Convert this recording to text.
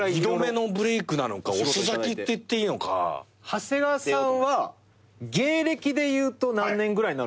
長谷川さんは芸歴でいうと何年ぐらいになるんすか？